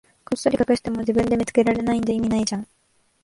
こっそり隠しても、自分で見つけられないんじゃ意味ないじゃん。